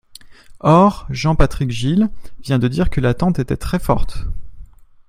Or Jean-Patrick Gille vient de dire que l’attente était très forte.